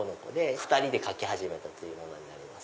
２人で描き始めたものになります。